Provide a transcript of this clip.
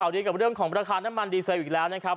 ดีกับเรื่องของราคาน้ำมันดีเซลอีกแล้วนะครับ